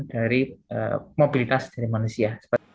dari mobilitas dari manusia